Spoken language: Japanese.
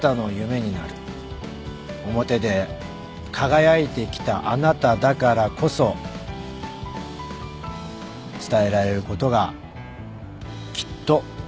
表で輝いてきたあなただからこそ伝えられることがきっとある